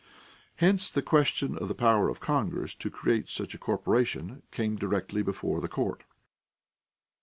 Hence the question of the power of Congress to create such a corporation came directly before the court.